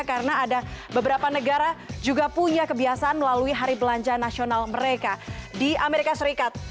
karena ada beberapa negara juga punya kebiasaan melalui hari belanja nasional mereka di amerika serikat